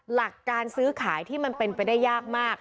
หลักการซื้อขายที่มันเป็นไปได้ยากมาก